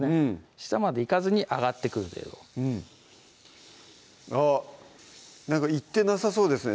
下まで行かずに上がってくる程度あっ行ってなさそうですね